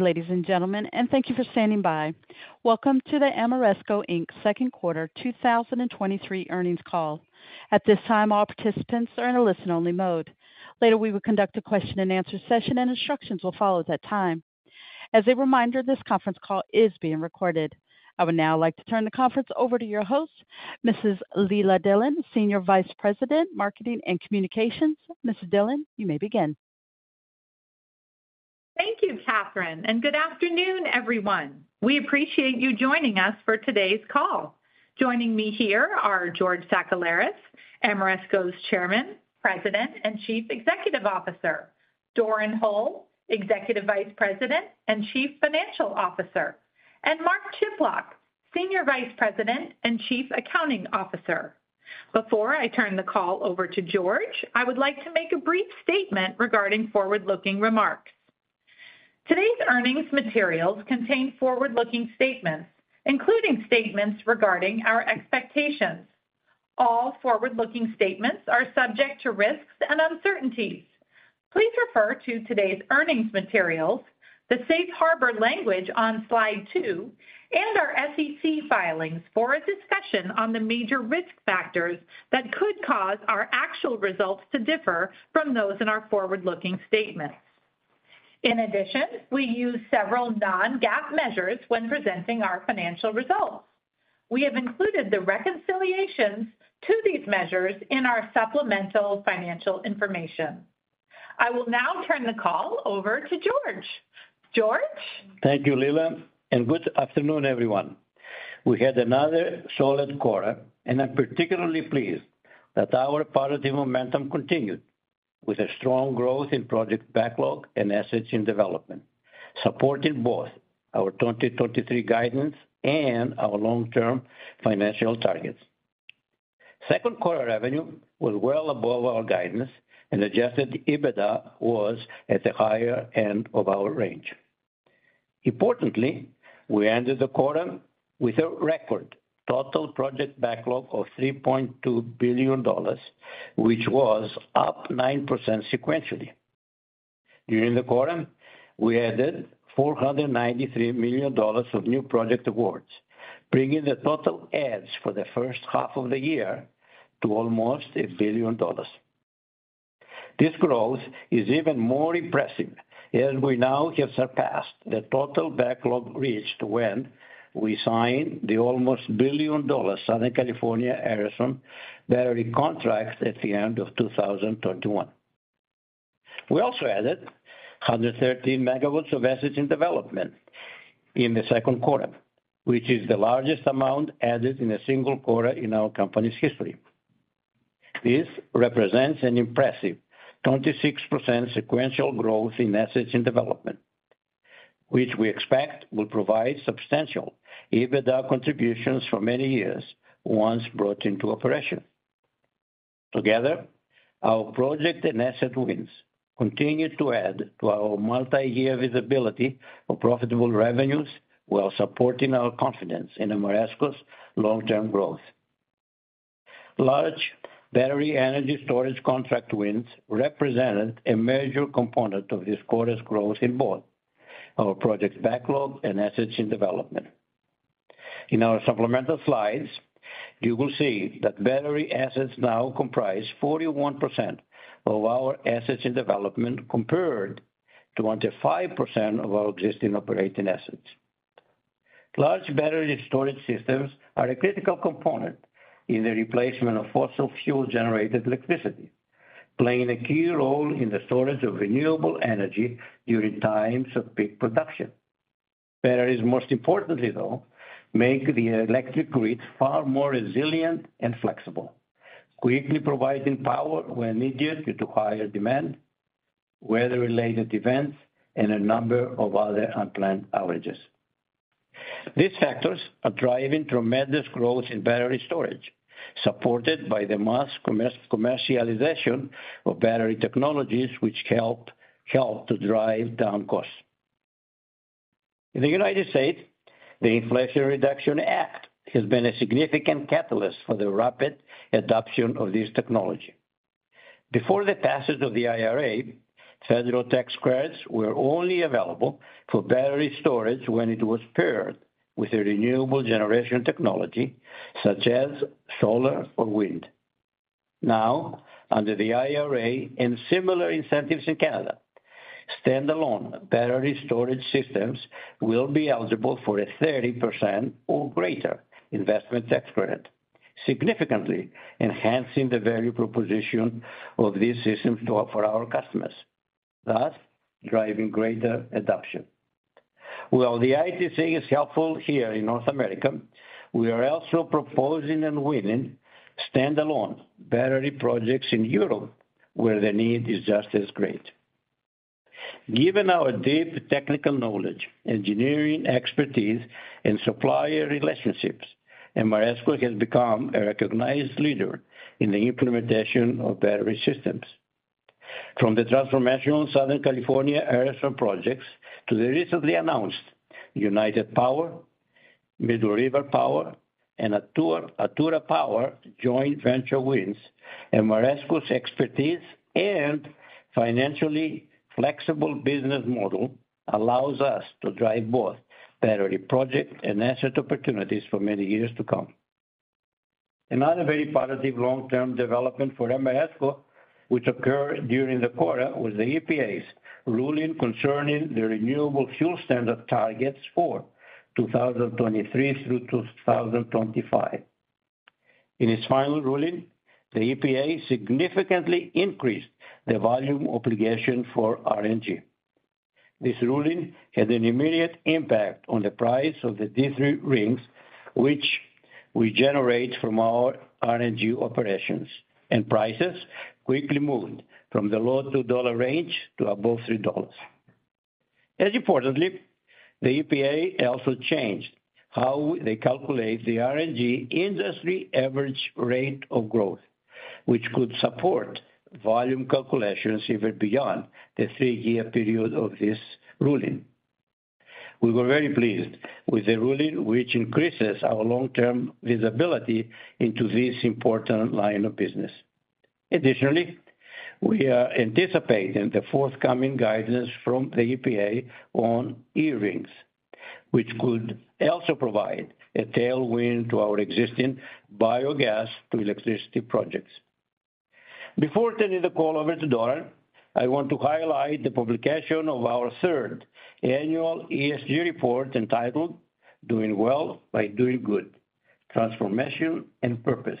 Ladies and gentlemen, thank you for standing by. Welcome to the Ameresco, Inc.'s second quarter 2023 earnings call. At this time, all participants are in a listen-only mode. Later, we will conduct a question-and-answer session. Instructions will follow at that time. As a reminder, this conference call is being recorded. I would now like to turn the conference over to your host, Mrs. Leila Dillon, Senior Vice President, Marketing and Communications. Mrs. Dillon, you may begin. Thank you, Catherine, and good afternoon, everyone. We appreciate you joining us for today's call. Joining me here are George Sakellaris, Ameresco's Chairman, President, and Chief Executive Officer, Doran Hole, Executive Vice President and Chief Financial Officer, and Mark Chiplock, Senior Vice President and Chief Accounting Officer. Before I turn the call over to George, I would like to make a brief statement regarding forward-looking remarks. Today's earnings materials contain forward-looking statements, including statements regarding our expectations. All forward-looking statements are subject to risks and uncertainties. Please refer to today's earnings materials, the safe harbor language on slide 2, and our SEC filings for a discussion on the major risk factors that could cause our actual results to differ from those in our forward-looking statements. In addition, we use several non-GAAP measures when presenting our financial results. We have included the reconciliations to these measures in our supplemental financial information. I will now turn the call over to George. George? Thank you, Lila. Good afternoon, everyone. We had another solid quarter, and I'm particularly pleased that our positive momentum continued with a strong growth in project backlog and assets in development, supporting both our 2023 guidance and our long-term financial targets. Second quarter revenue was well above our guidance, and adjusted EBITDA was at the higher end of our range. Importantly, we ended the quarter with a record total project backlog of $3.2 billion, which was up 9% sequentially. During the quarter, we added $493 million of new project awards, bringing the total adds for the first half of the year to almost $1 billion. This growth is even more impressive, as we now have surpassed the total backlog reached when we signed the almost billion-dollar Southern California Edison battery contract at the end of 2021. We also added 113 MW of assets in development in the second quarter, which is the largest amount added in a single quarter in our company's history. This represents an impressive 26% sequential growth in assets in development, which we expect will provide substantial EBITDA contributions for many years once brought into operation. Together, our project and asset wins continued to add to our multi-year visibility of profitable revenues while supporting our confidence in Ameresco's long-term growth. Large battery energy storage contract wins represented a major component of this quarter's growth in both our project backlog and assets in development. In our supplemental slides, you will see that battery assets now comprise 41% of our assets in development, compared to 25% of our existing operating assets. Large battery storage systems are a critical component in the replacement of fossil fuel-generated electricity, playing a key role in the storage of renewable energy during times of peak production. Batteries, most importantly, though, make the electric grid far more resilient and flexible, quickly providing power when needed due to higher demand, weather-related events, and a number of other unplanned outages. These factors are driving tremendous growth in battery storage, supported by the mass commercialization of battery technologies, which help to drive down costs. In the United States, the Inflation Reduction Act has been a significant catalyst for the rapid adoption of this technology. Before the passage of the IRA, federal tax credits were only available for battery storage when it was paired with a renewable generation technology, such as solar or wind. Now, under the IRA and similar incentives in Canada, standalone battery storage systems will be eligible for a 30% or greater investment tax credit, significantly enhancing the value proposition of these systems for our customers, thus driving greater adoption. While the ITC is helpful here in North America, we are also proposing and winning standalone battery projects in Europe, where the need is just as great. Given our deep technical knowledge, engineering expertise, and supplier relationships, Ameresco has become a recognized leader in the implementation of battery systems. From the transformational Southern California Edison projects to the recently announced United Power, Middle River Power and Atura Power joint venture wins, Ameresco's expertise and financially flexible business model allows us to drive both battery project and asset opportunities for many years to come. Another very positive long-term development for Ameresco, which occurred during the quarter, was the EPA's ruling concerning the Renewable Fuel Standard targets for 2023-2025. In its final ruling, the EPA significantly increased the volume obligation for RNG. This ruling had an immediate impact on the price of the D3 RINs, which we generate from our RNG operations, and prices quickly moved from the low $2 range to above $3. As importantly, the EPA also changed how they calculate the RNG industry average rate of growth, which could support volume calculations even beyond the 3-year period of this ruling. We were very pleased with the ruling, which increases our long-term visibility into this important line of business. Additionally, we are anticipating the forthcoming guidance from the EPA on eRINs, which could also provide a tailwind to our existing biogas to electricity projects. Before turning the call over to Doran, I want to highlight the publication of our third annual ESG report, entitled Doing Well by Doing Good: Transformation and Purpose.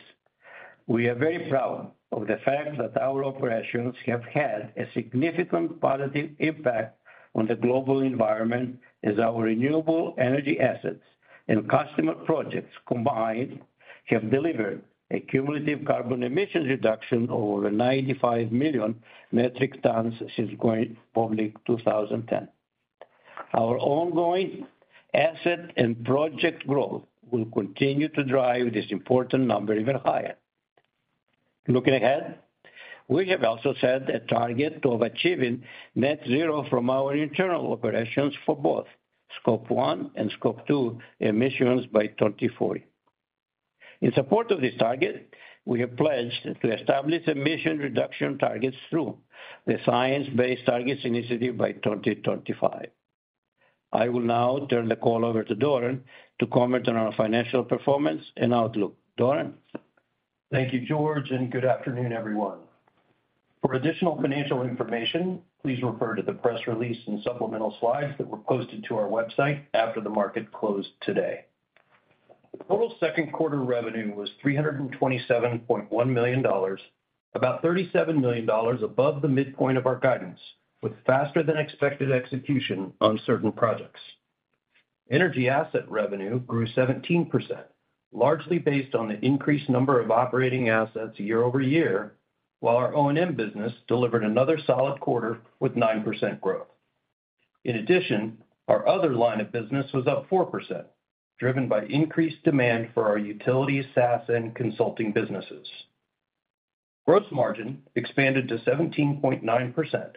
We are very proud of the fact that our operations have had a significant positive impact on the global environment, as our renewable energy assets and customer projects combined have delivered a cumulative carbon emissions reduction of over 95 million metric tons since going public in 2010. Our ongoing asset and project growth will continue to drive this important number even higher. Looking ahead, we have also set a target of achieving net zero from our internal operations for both Scope 1 and Scope 2 emissions by 2040. In support of this target, we have pledged to establish emission reduction targets through the Science Based Targets initiative by 2025. I will now turn the call over to Doran to comment on our financial performance and outlook. Doran? Thank you, George. Good afternoon, everyone. For additional financial information, please refer to the press release and supplemental slides that were posted to our website after the market closed today. Total second quarter revenue was $327.1 million, about $37 million above the midpoint of our guidance, with faster than expected execution on certain projects. Energy asset revenue grew 17%, largely based on the increased number of operating assets year-over-year, while our O&M business delivered another solid quarter with 9% growth. Our other line of business was up 4%, driven by increased demand for our utility, SaaS, and consulting businesses. Gross margin expanded to 17.9%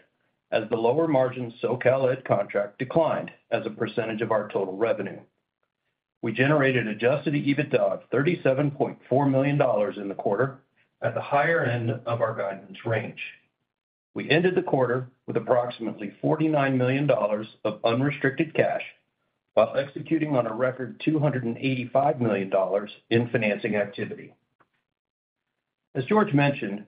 as the lower-margin SoCalEd contract declined as a percentage of our total revenue. We generated adjusted EBITDA of $37.4 million in the quarter at the higher end of our guidance range. We ended the quarter with approximately $49 million of unrestricted cash, while executing on a record $285 million in financing activity. As George mentioned,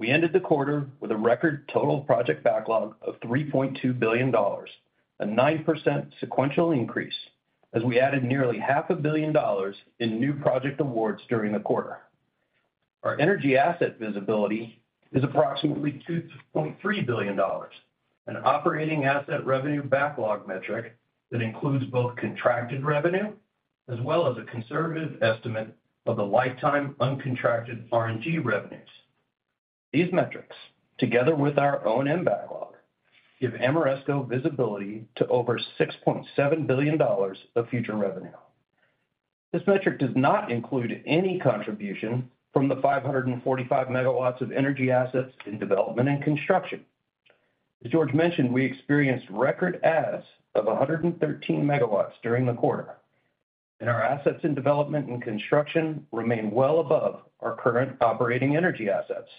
we ended the quarter with a record total project backlog of $3.2 billion, a 9% sequential increase, as we added nearly $500 million in new project awards during the quarter. Our energy asset visibility is approximately $2.3 billion, an operating asset revenue backlog metric that includes both contracted revenue as well as a conservative estimate of the lifetime uncontracted RNG revenues. These metrics, together with our O&M backlog, give Ameresco visibility to over $6.7 billion of future revenue. This metric does not include any contribution from the 545 MW of energy assets in development and construction. As George mentioned, we experienced record adds of 113 MW during the quarter, and our assets in development and construction remain well above our current operating energy assets,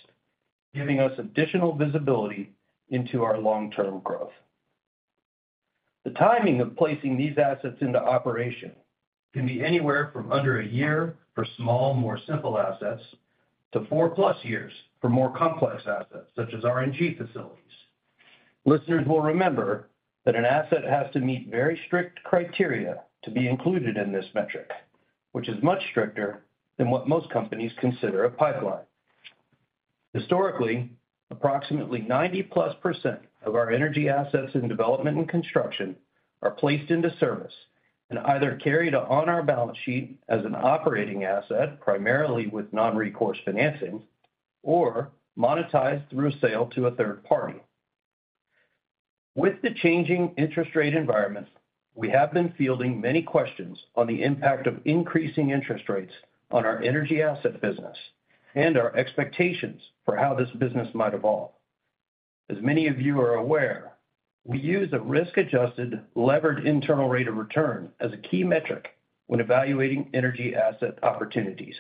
giving us additional visibility into our long-term growth. The timing of placing these assets into operation can be anywhere from under a year for small, more simple assets, to 4+ years for more complex assets, such as RNG facilities. Listeners will remember that an asset has to meet very strict criteria to be included in this metric, which is much stricter than what most companies consider a pipeline. Historically, approximately 90%+ of our energy assets in development and construction are placed into service and either carried on our balance sheet as an operating asset, primarily with non-recourse financing, or monetized through a sale to a third party. With the changing interest rate environment, we have been fielding many questions on the impact of increasing interest rates on our energy asset business and our expectations for how this business might evolve.... As many of you are aware, we use a risk-adjusted, levered internal rate of return as a key metric when evaluating energy asset opportunities.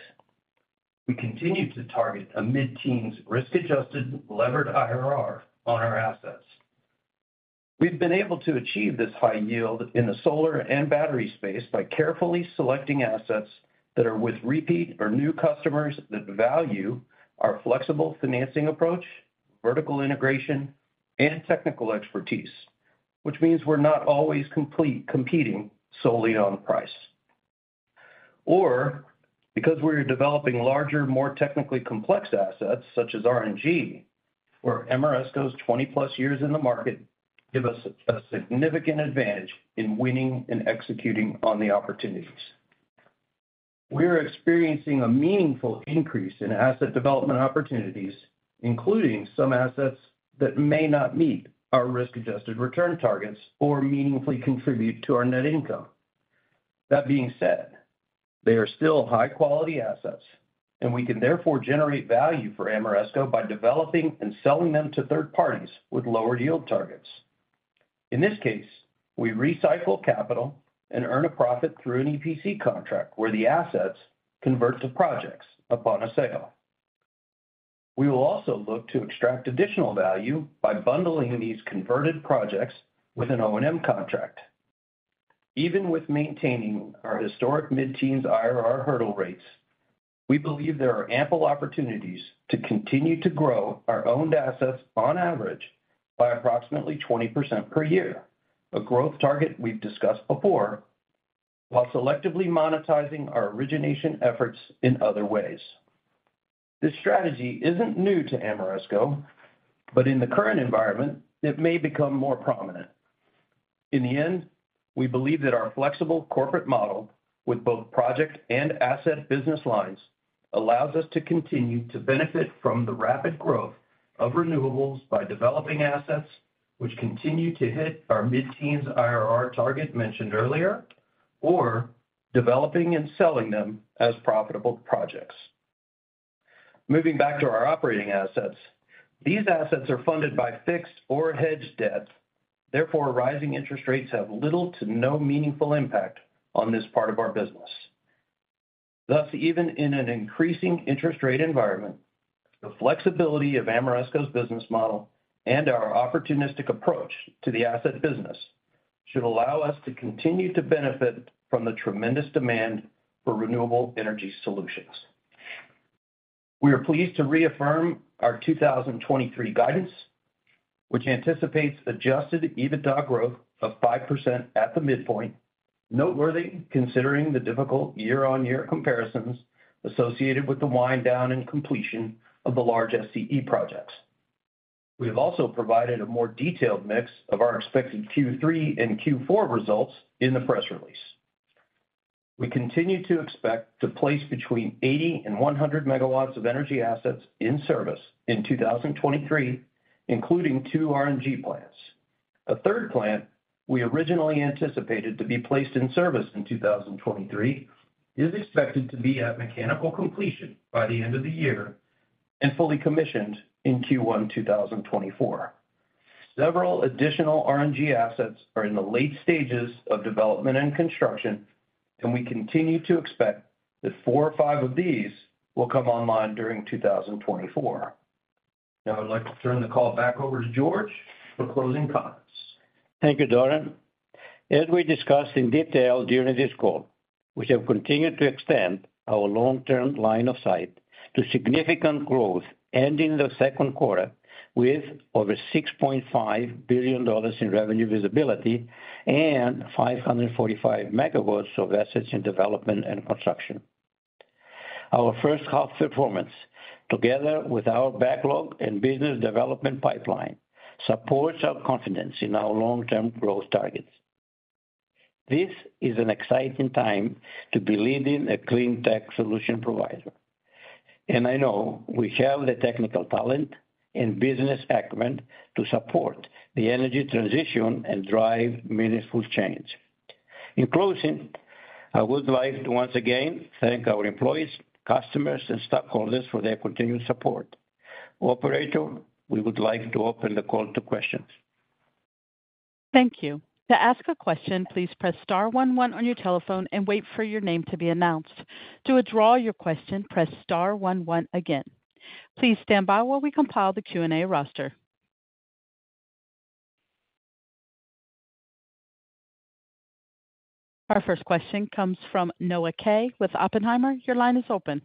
We continue to target a mid-teens risk-adjusted levered IRR on our assets. We've been able to achieve this high yield in the solar and battery space by carefully selecting assets that are with repeat or new customers that value our flexible financing approach, vertical integration, and technical expertise, which means we're not always competing solely on price. Because we're developing larger, more technically complex assets, such as RNG, where Ameresco's 20-plus years in the market give us a significant advantage in winning and executing on the opportunities. We're experiencing a meaningful increase in asset development opportunities, including some assets that may not meet our risk-adjusted return targets or meaningfully contribute to our net income. That being said, they are still high-quality assets, and we can therefore generate value for Ameresco by developing and selling them to third parties with lower yield targets. In this case, we recycle capital and earn a profit through an EPC contract, where the assets convert to projects upon a sale. We will also look to extract additional value by bundling these converted projects with an O&M contract. Even with maintaining our historic mid-teens IRR hurdle rates, we believe there are ample opportunities to continue to grow our owned assets on average by approximately 20% per year, a growth target we've discussed before, while selectively monetizing our origination efforts in other ways. This strategy isn't new to Ameresco, but in the current environment, it may become more prominent. In the end, we believe that our flexible corporate model, with both project and asset business lines, allows us to continue to benefit from the rapid growth of renewables by developing assets which continue to hit our mid-teens IRR target mentioned earlier, or developing and selling them as profitable projects. Moving back to our operating assets, these assets are funded by fixed or hedged debt, therefore, rising interest rates have little to no meaningful impact on this part of our business. Even in an increasing interest rate environment, the flexibility of Ameresco's business model and our opportunistic approach to the asset business should allow us to continue to benefit from the tremendous demand for renewable energy solutions. We are pleased to reaffirm our 2023 guidance, which anticipates adjusted EBITDA growth of 5% at the midpoint, noteworthy, considering the difficult year-on-year comparisons associated with the wind down and completion of the large SCE projects. We have also provided a more detailed mix of our expected Q3 and Q4 results in the press release. We continue to expect to place between 80 and 100 megawatts of energy assets in service in 2023, including two RNG plants. A third plant we originally anticipated to be placed in service in 2023, is expected to be at mechanical completion by the end of the year and fully commissioned in Q1, 2024. Several additional RNG assets are in the late stages of development and construction, and we continue to expect that 4 or 5 of these will come online during 2024. Now I'd like to turn the call back over to George for closing comments. Thank you, Doran. As we discussed in detail during this call, we have continued to extend our long-term line of sight to significant growth, ending the second quarter with over $6.5 billion in revenue visibility and 545 megawatts of assets in development and construction. Our first half performance, together with our backlog and business development pipeline, supports our confidence in our long-term growth targets. This is an exciting time to be leading a cleantech solution provider, and I know we have the technical talent and business acumen to support the energy transition and drive meaningful change. In closing, I would like to once again thank our employees, customers, and stakeholders for their continued support. Operator, we would like to open the call to questions. Thank you. To ask a question, please press star one, one on your telephone and wait for your name to be announced. To withdraw your question, press star one, one again. Please stand by while we compile the Q&A roster. Our first question comes from Noah Kaye with Oppenheimer. Your line is open.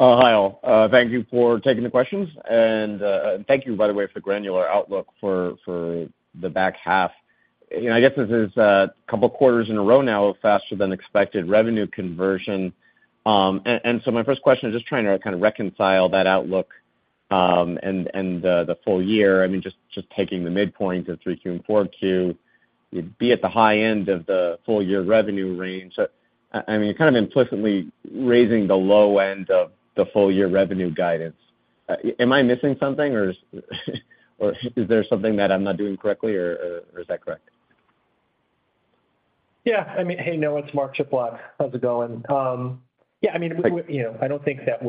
Hi, all. Thank you for taking the questions, and thank you, by the way, for the granular outlook for the back half. You know, I guess this is a couple of quarters in a row now of faster than expected revenue conversion. My first question is just trying to kind of reconcile that outlook and the full year. I mean, just taking the midpoint of 3Q and 4Q, you'd be at the high end of the full year revenue range. I mean, you're kind of implicitly raising the low end of the full year revenue guidance. Am I missing something, or is there something that I'm not doing correctly, or is that correct? Yeah, I mean, hey, Noah, it's Mark Chiplock. How's it going? Yeah, I mean, you know, I don't think that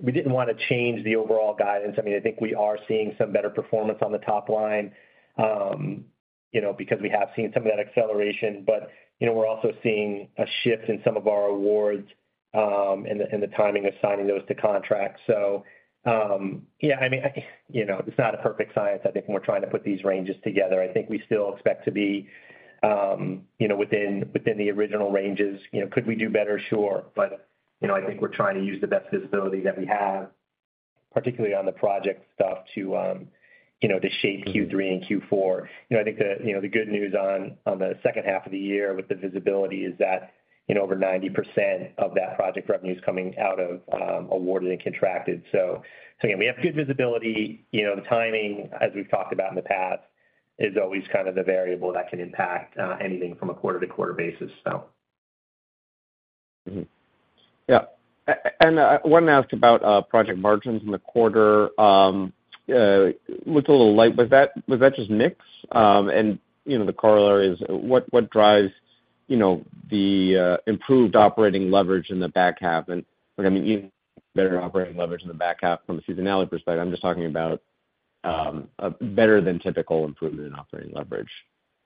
We didn't wanna change the overall guidance. I mean, I think we are seeing some better performance on the top line, you know, because we have seen some of that acceleration. You know, we're also seeing a shift in some of our awards, and the, and the timing of signing those to contracts. Yeah, I mean, I, you know, it's not a perfect science. I think when we're trying to put these ranges together, I think we still expect to be, you know, within, within the original ranges. You know, could we do better? Sure. You know, I think we're trying to use the best visibility that we have, particularly on the project stuff, to, you know, to shape Q3 and Q4. You know, I think the, you know, the good news on, on the second half of the year with the visibility is that, you know, over 90% of that project revenue is coming out of awarded and contracted. Again, we have good visibility. You know, the timing, as we've talked about in the past, is always kind of the variable that can impact anything from a quarter-to-quarter basis. Yeah. I wanted to ask about project margins in the quarter. Looked a little light. Was that, was that just mix? You know, the corollary is what, what drives, you know, the improved operating leverage in the back half? I mean, even better operating leverage in the back half from a seasonality perspective, I'm just talking about a better than typical improvement in operating leverage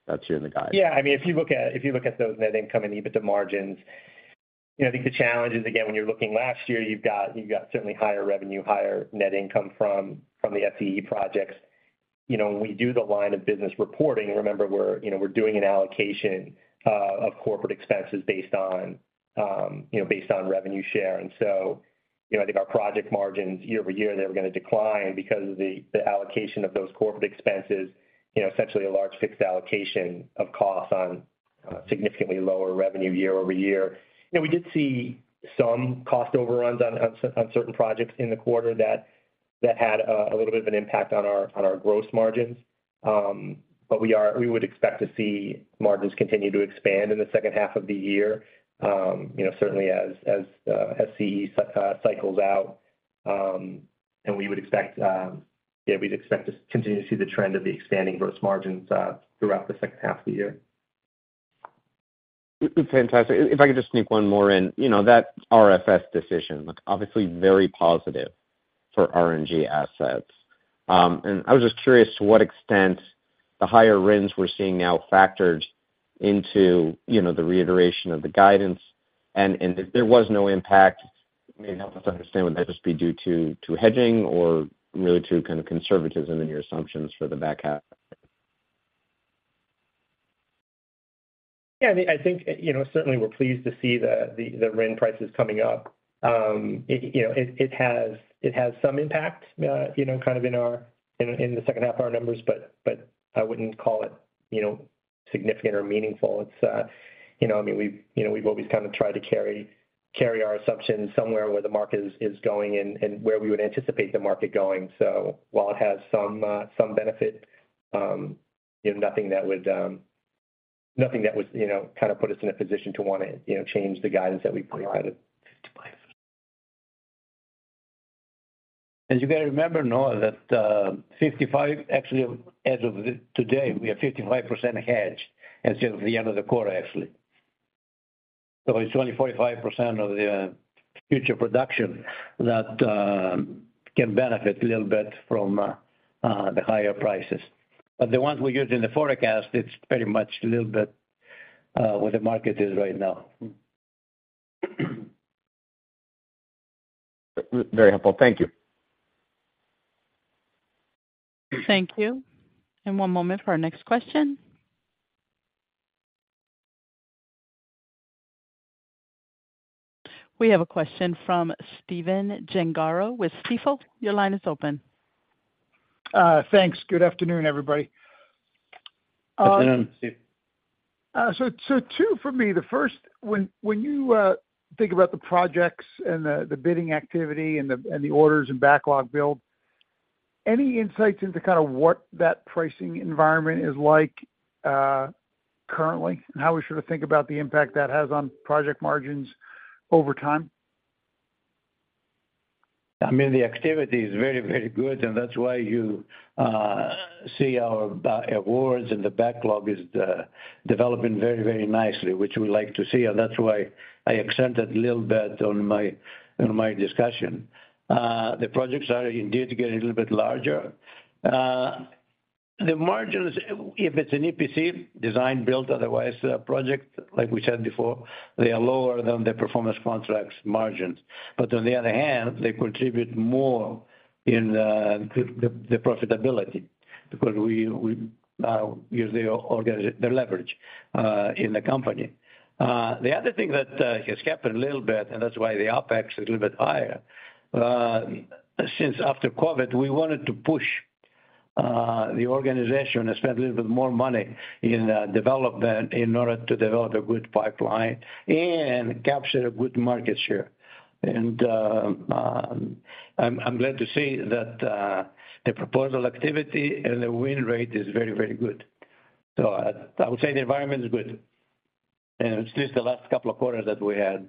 that's here in the guide. Yeah, I mean, if you look at, if you look at those net income and EBITDA margins, you know, I think the challenge is, again, when you're looking last year, you've got, you've got certainly higher revenue, higher net income from, from the SCE projects. You know, when we do the line of business reporting, remember, we're, you know, we're doing an allocation of corporate expenses based on, you know, based on revenue share. So, you know, I think our project margins year-over-year, they were gonna decline because of the, the allocation of those corporate expenses, you know, essentially a large fixed allocation of costs on significantly lower revenue year-over-year. You know, we did see some cost overruns on, on, on certain projects in the quarter that, that had a little bit of an impact on our, on our gross margins. We would expect to see margins continue to expand in the second half of the year, you know, certainly as, as SCE cycles out. We would expect, we'd expect to continue to see the trend of the expanding gross margins throughout the second half of the year. Fantastic. If I could just sneak one more in. You know, that RFS decision, look, obviously very positive for RNG assets. I was just curious to what extent the higher RINs we're seeing now factored into, you know, the reiteration of the guidance, and if there was no impact, I mean, help us understand, would that just be due to hedging or really to kind of conservatism in your assumptions for the back half? Yeah, I think, you know, certainly we're pleased to see the, the, the RIN prices coming up. It, you know, it, it has, it has some impact, you know, kind of in our, in, in the second half of our numbers, but, but I wouldn't call it, you know, significant or meaningful. It's, you know, I mean, we've, you know, we've always kind of tried to carry, carry our assumptions somewhere where the market is, is going and, and where we would anticipate the market going. While it has some, some benefit, you know, nothing that would, nothing that would, you know, kind of put us in a position to wanna, you know, change the guidance that we provided. You gotta remember, Noah, that, actually, as of today, we are 55% hedged as of the end of the quarter, actually. It's only 45% of the future production that can benefit a little bit from the higher prices. The ones we use in the forecast, it's pretty much a little bit where the market is right now. Very helpful. Thank you. Thank you. One moment for our next question. We have a question from Stephen Gengaro with Stifel. Your line is open. Thanks. Good afternoon, everybody. Good afternoon, Steve. Two for me. The first, when, when you think about the projects and the, the bidding activity and the, and the orders and backlog build, any insights into kind of what that pricing environment is like, currently? How we should think about the impact that has on project margins over time? I mean, the activity is very, very good, and that's why you see our awards and the backlog is developing very, very nicely, which we like to see, and that's why I accented a little bit in my discussion. The projects are indeed getting a little bit larger. The margins, if it's an EPC design build, otherwise, a project, like we said before, they are lower than the performance contracts margins. On the other hand, they contribute more in the profitability because we use the leverage in the company. The other thing that has happened a little bit, and that's why the OpEx is a little bit higher, since after COVID, we wanted to push the organization and spend a little bit more money in development in order to develop a good pipeline and capture a good market share. I'm glad to see that the proposal activity and the win rate is very, very good. I would say the environment is good, and it's just the last couple of quarters that we had.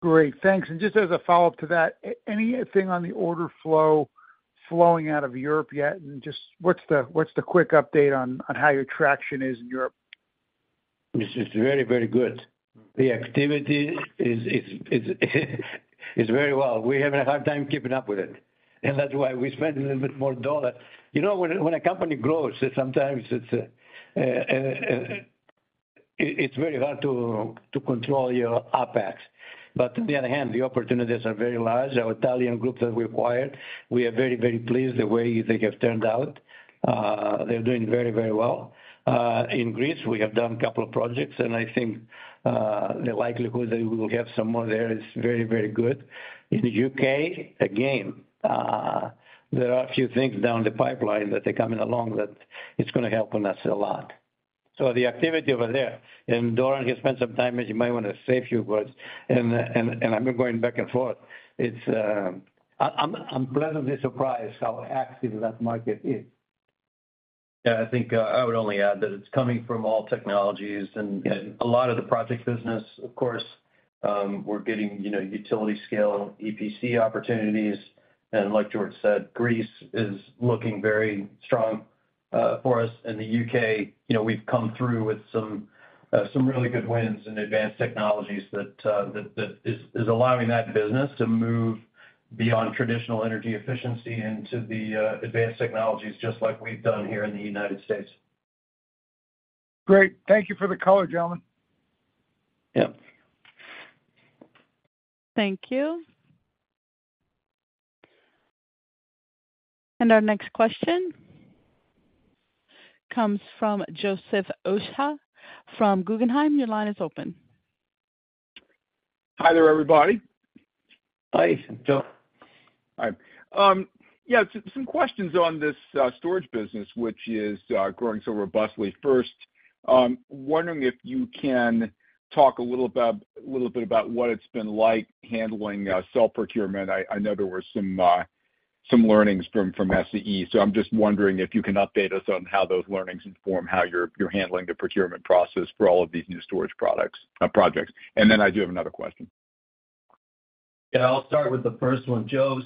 Great, thanks. Just as a follow-up to that, anything on the order flow flowing out of Europe yet? Just what's the, what's the quick update on, on how your traction is in Europe? It's just very, very good. The activity is very well. We're having a hard time keeping up with it, and that's why we spent a little bit more dollar. You know, when, when a company grows, sometimes it's, it's very hard to, to control your OpEx. On the other hand, the opportunities are very large. Our Italian group that we acquired, we are very, very pleased the way they have turned out. They're doing very, very well. In Greece, we have done a couple of projects, and I think, the likelihood that we will have some more there is very, very good. In the UK, again, there are a few things down the pipeline that are coming along, that it's gonna help us a lot. The activity over there, and Doran has spent some time, as you might want to say a few words, and, and, and I've been going back and forth. It's, I, I'm, I'm pleasantly surprised how active that market is. Yeah, I think, I would only add that it's coming from all technologies- Yeah... and a lot of the project business, of course, we're getting, you know, utility scale, EPC opportunities. Like George said, Greece is looking very strong for us. In the U.K., you know, we've come through with some really good wins in advanced technologies that is allowing that business to move beyond traditional energy efficiency into the advanced technologies, just like we've done here in the United States. Great. Thank you for the color, gentlemen. Yep. Thank you. Our next question comes from Joseph Osha from Guggenheim. Your line is open. Hi there, everybody. Hi, Joe. Hi. Yeah, some, some questions on this storage business, which is growing so robustly. First, wondering if you can talk a little bit about what it's been like handling cell procurement. I, I know there were some, some learnings from, from SCE, so I'm just wondering if you can update us on how those learnings inform how you're, you're handling the procurement process for all of these new storage products, projects. Then I do have another question. Yeah, I'll start with the first one, Joe.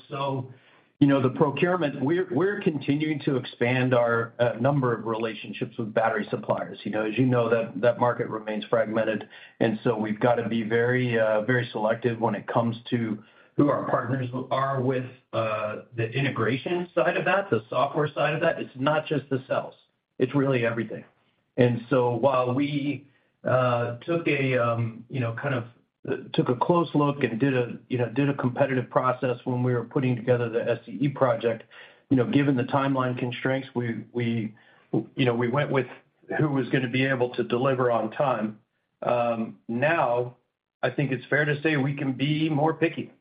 You know, the procurement, we're, we're continuing to expand our number of relationships with battery suppliers. You know, as you know, that, that market remains fragmented, and so we've got to be very, very selective when it comes to who our partners are with, the integration side of that, the software side of that. It's not just the cells, it's really everything. While we took a, you know, kind of, took a close look and did a, you know, did a competitive process when we were putting together the SCE project, you know, given the timeline constraints, we, we, you know, we went with who was gonna be able to deliver on time. Now, I think it's fair to say we can be more picky,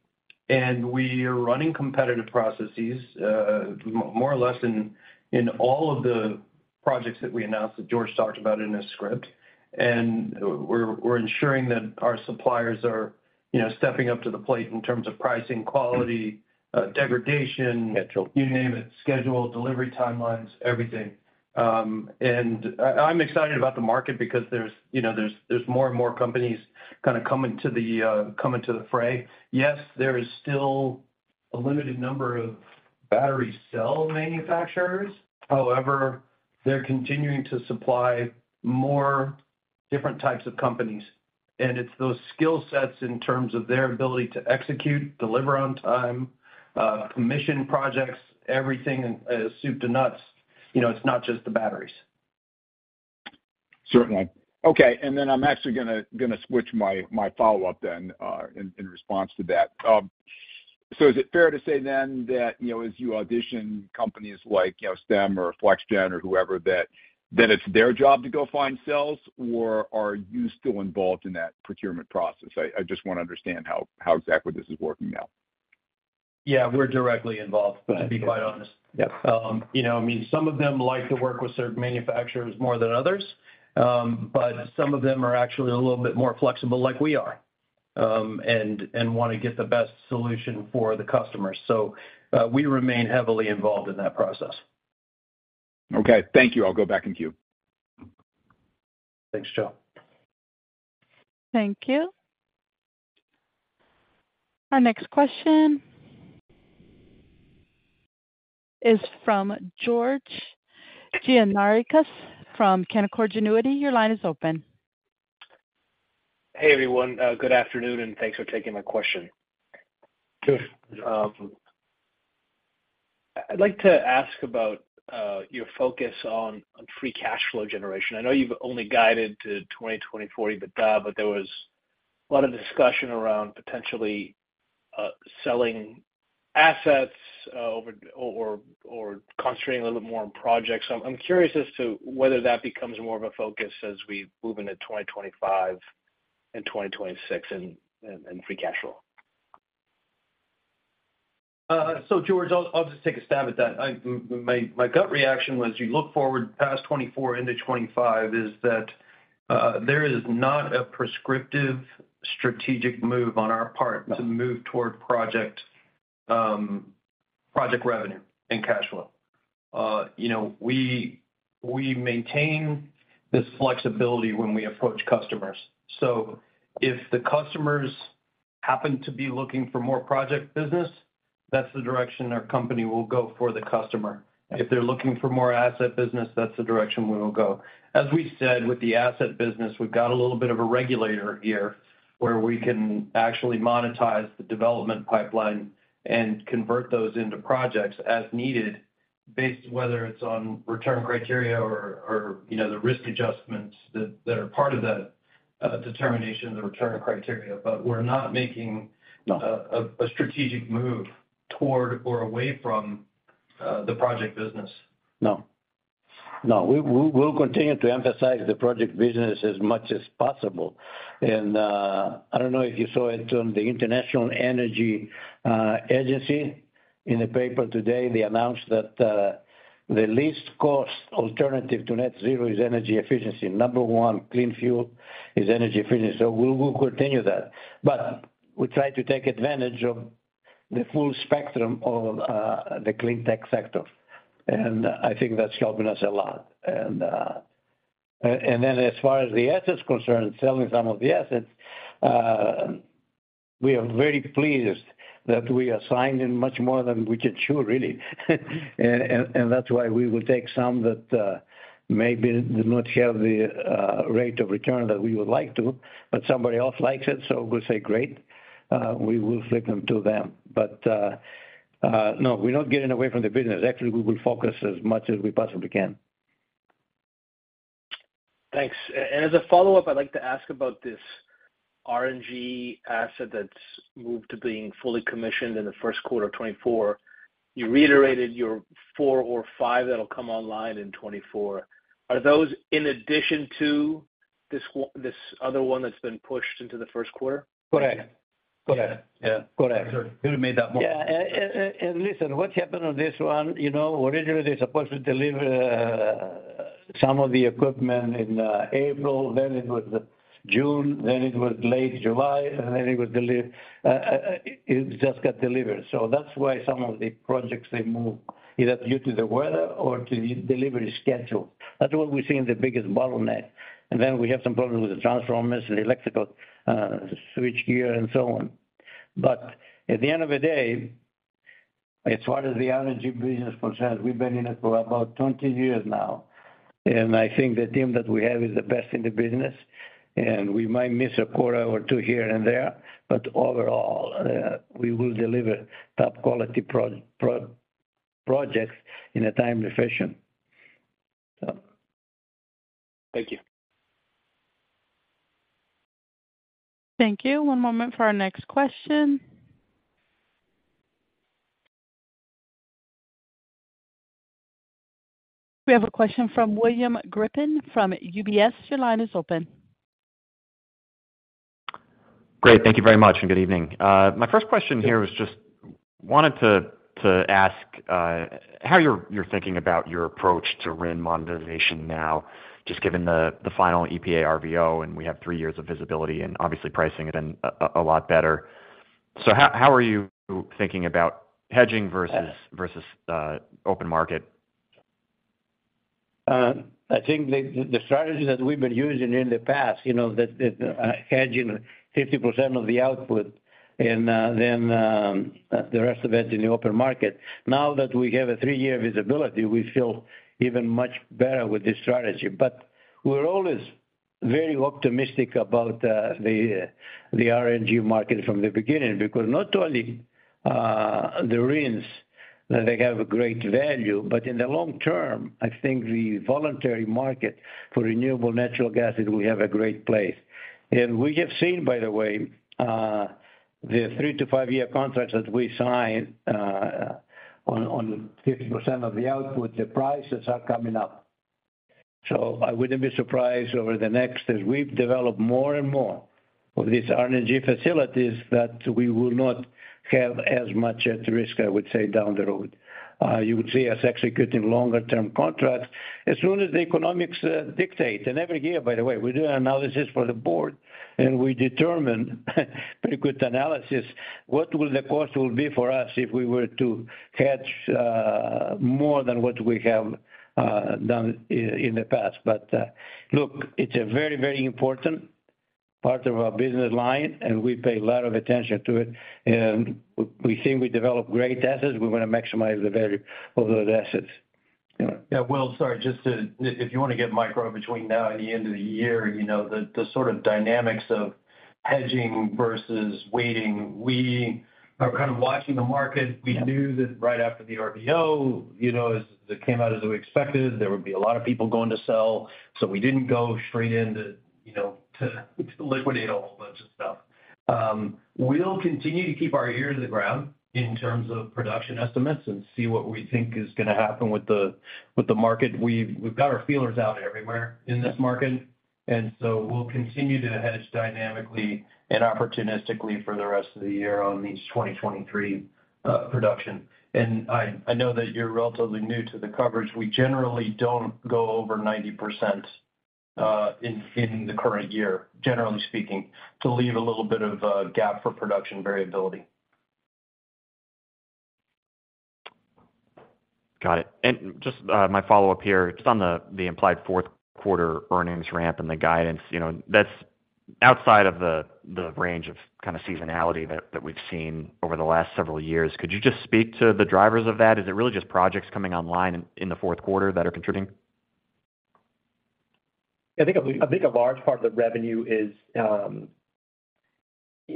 and we are running competitive processes, more or less in, in all of the projects that we announced, that George talked about in his script. We're, we're ensuring that our suppliers are, you know, stepping up to the plate in terms of pricing, quality, degradation-. Schedule... you name it, schedule, delivery, timelines, everything. I, I'm excited about the market because there's, you know, there's, there's more and more companies kind of coming to the coming to the fray. Yes, there is still a limited number of battery cell manufacturers. However, they're continuing to supply more different types of companies, and it's those skill sets in terms of their ability to execute, deliver on time, commission projects, everything, and soup to nuts. You know, it's not just the batteries. Certainly. Okay, then I'm actually gonna, gonna switch my, my follow-up then, in, in response to that. So is it fair to say then that, you know, as you audition companies like, you know, Stem or FlexGen or whoever, that, that it's their job to go find cells, or are you still involved in that procurement process? I, I just want to understand how, how exactly this is working now. Yeah, we're directly involved, to be quite honest. Yep. You know, I mean, some of them like to work with certain manufacturers more than others, but some of them are actually a little bit more flexible like we are, and, and want to get the best solution for the customer. We remain heavily involved in that process. Okay, thank you. I'll go back in queue. Thanks, Joe. Thank you. Our next question is from George Gianarikas from Canaccord Genuity. Your line is open. Hey, everyone, good afternoon, and thanks for taking my question. George. I'd like to ask about your focus on free cash flow generation. I know you've only guided to 2040 but there was a lot of discussion around potentially selling assets over or concentrating a little more on projects. I'm curious as to whether that becomes more of a focus as we move into 2025 and 2026 and free cash flow. George, I'll, I'll just take a stab at that. My, my gut reaction was, you look forward past 2024 into 2025, is that, there is not a prescriptive strategic move on our part to move toward project, project revenue and cash flow. You know, we, we maintain this flexibility when we approach customers. If the customers happen to be looking for more project business, that's the direction our company will go for the customer. If they're looking for more asset business, that's the direction we will go. As we said, with the asset business, we've got a little bit of a regulator here, where we can actually monetize the development pipeline and convert those into projects as needed, based whether it's on return criteria or, or, you know, the risk adjustments that, that are part of that, determination, the return criteria. we're not. No. a, a strategic move toward or away from, the project business. No. No, we, we'll continue to emphasize the project business as much as possible. I don't know if you saw it on the International Energy Agency. In the paper today, they announced that the least cost alternative to net zero is energy efficiency. Number 1, clean fuel is energy efficiency, so we will continue that. We try to take advantage of the full spectrum of the cleantech sector, and I think that's helping us a lot. Then as far as the assets concerned, selling some of the assets, we are very pleased that we are signed in much more than we can chew, really. And, and that's why we will take some that maybe do not have the rate of return that we would like to, but somebody else likes it, so we'll say, "Great," we will flip them to them. No, we're not getting away from the business. Actually, we will focus as much as we possibly can. Thanks. As a follow-up, I'd like to ask about this RNG asset that's moved to being fully commissioned in the first quarter of 2024. You reiterated your 4 or 5 that'll come online in 2024. Are those in addition to this other one that's been pushed into the first quarter? Correct. Yeah. Correct. Yeah. Correct. Should have made that more- Yeah. And listen, what happened on this one, you know, originally they're supposed to deliver some of the equipment in April, then it was June, then it was late July, and then it just got delivered. That's why some of the projects they move, either due to the weather or to the delivery schedule. That's what we see in the biggest bottleneck. Then we have some problems with the transformers and the electrical switch gear and so on. At the end of the day, as far as the RNG business is concerned, we've been in it for about 20 years now, and I think the team that we have is the best in the business. We might miss a quarter or two here and there, but overall, we will deliver top quality projects in a timely fashion, so. Thank you. Thank you. One moment for our next question. We have a question from William Grippin from UBS. Your line is open. Great. Thank you very much, and good evening. My first question here is just wanted to ask, how you're thinking about your approach to RIN monetization now, just given the final EPA RVO, and we have 3 years of visibility and obviously pricing it in a lot better. How, how are you thinking about hedging versus- Uh- -versus, open market? I think the, the, the strategy that we've been using in the past, you know, that, that, hedging 50% of the output and then the rest of it in the open market. Now that we have a 3-year visibility, we feel even much better with this strategy. We're always very optimistic about the RNG market from the beginning, because not only the RINs, that they have a great value, but in the long term, I think the voluntary market for renewable natural gas will have a great place. We have seen, by the way, the 3-5-year contracts that we sign, on, on 50% of the output, the prices are coming up. I wouldn't be surprised over the next... As we've developed more and more of these RNG facilities, that we will not have as much at risk, I would say, down the road. You would see us executing longer term contracts as soon as the economics dictate. Every year, by the way, we do analysis for the board, and we determine, pretty good analysis, what will the cost will be for us if we were to hedge more than what we have done in the past. Look, it's a very, very important part of our business line, and we pay a lot of attention to it, and we think we develop great assets. We want to maximize the value of those assets. Yeah, well, sorry, just to... If you want to get micro between now and the end of the year, you know, the, the sort of dynamics of hedging versus waiting, we are kind of watching the market. Yeah. We knew that right after the RVO, you know, as it came out as we expected, there would be a lot of people going to sell. We didn't go straight in to, you know, to, to liquidate a whole bunch of stuff. We'll continue to keep our ear to the ground in terms of production estimates and see what we think is gonna happen with the, with the market. We've, we've got our feelers out everywhere in this market, and so we'll continue to hedge dynamically and opportunistically for the rest of the year on these 2023 production. I, I know that you're relatively new to the coverage. We generally don't go over 90% in, in the current year, generally speaking, to leave a little bit of a gap for production variability. Got it. Just my follow-up here, just on the implied fourth quarter earnings ramp and the guidance, you know, that's outside of the range of kind of seasonality that, that we've seen over the last several years. Could you just speak to the drivers of that? Is it really just projects coming online in, in the fourth quarter that are contributing? I think a large part of the revenue is, you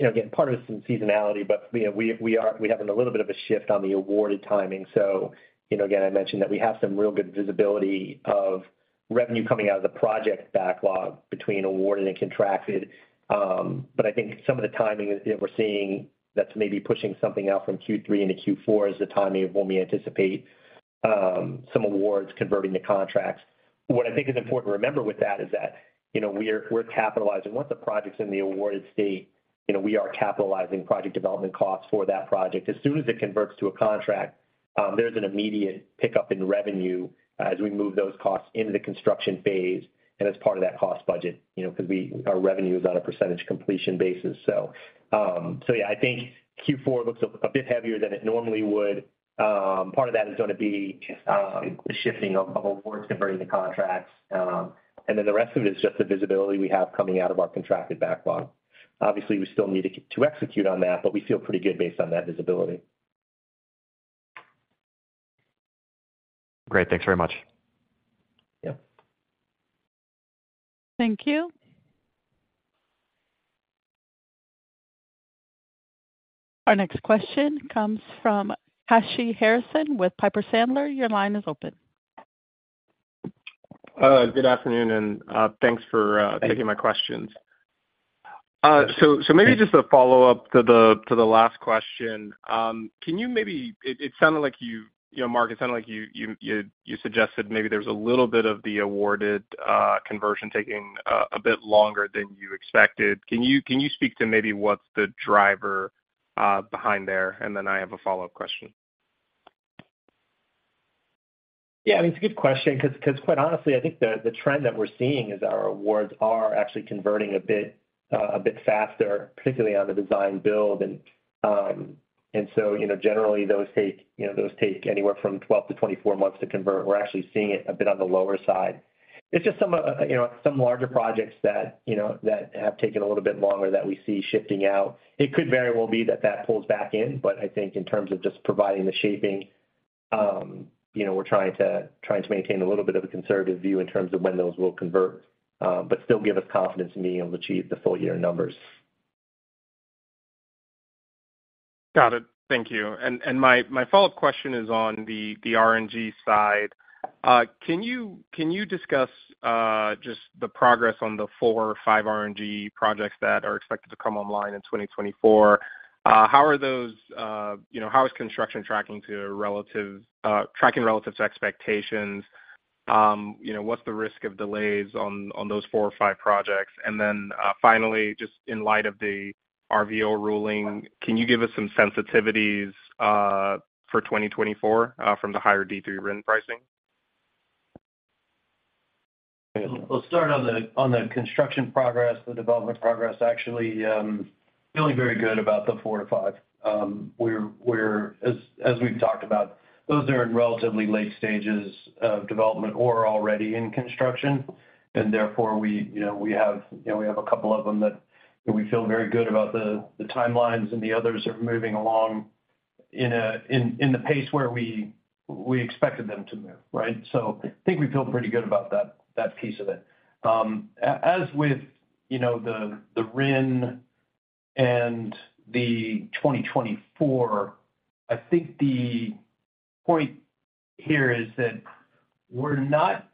know, again, part of it is some seasonality, but, you know, we, we're having a little bit of a shift on the awarded timing. You know, again, I mentioned that we have some real good visibility of revenue coming out of the project backlog between awarded and contracted. I think some of the timing that we're seeing, that's maybe pushing something out from Q3 into Q4 is the timing of when we anticipate, some awards converting to contracts. What I think is important to remember with that is that, you know, we're capitalizing. Once the project's in the awarded state, you know, we are capitalizing project development costs for that project. As soon as it converts to a contract, there's an immediate pickup in revenue as we move those costs into the construction phase, and as part of that cost budget, you know, 'cause our revenue is on a percentage of completion basis. Yeah, I think Q4 looks a bit heavier than it normally would. Part of that is gonna be shifting of awards converting to contracts, the rest of it is just the visibility we have coming out of our contracted backlog. Obviously, we still need to execute on that, but we feel pretty good based on that visibility. Great. Thanks very much. Yeah. Thank you. Our next question comes from Kashy Harrison with Piper Sandler. Your line is open. Good afternoon, and, thanks for, - Thank you. -taking my questions. So maybe just a follow-up to the last question. It sounded like you, you know, Mark, it sounded like you suggested maybe there's a little bit of the awarded conversion taking a bit longer than you expected. Can you speak to maybe what's the driver behind there? I have a follow-up question. Yeah, it's a good question 'cause, 'cause quite honestly, I think the, the trend that we're seeing is our awards are actually converting a bit faster, particularly on the design build. You know, generally those take, you know, those take anywhere from 12-24 months to convert. We're actually seeing it a bit on the lower side. It's just some, you know, some larger projects that, you know, that have taken a little bit longer that we see shifting out. It could very well be that that pulls back in, but I think in terms of just providing the shaping, you know, we're trying to, trying to maintain a little bit of a conservative view in terms of when those will convert, but still give us confidence in being able to achieve the full year numbers. Got it. Thank you. My, my follow-up question is on the RNG side. Can you, can you discuss just the progress on the 4 or 5 RNG projects that are expected to come online in 2024? How are those, you know, how is construction tracking to relative tracking relative to expectations? You know, what's the risk of delays on, on those 4 or 5 projects? Then, finally, just in light of the RVO ruling, can you give us some sensitivities for 2024 from the higher D3 RIN pricing? We'll start on the, on the construction progress. The development progress, actually, feeling very good about the 4-5. We're, we're, as, as we've talked about, those are in relatively late stages of development or are already in construction, and therefore we, you know, we have, you know, we have a couple of them that we feel very good about the, the timelines, and the others are moving along in the pace where we, we expected them to move, right? I think we feel pretty good about that, that piece of it. As with, you know, the, the RIN and the 2024, I think the point here is that we're not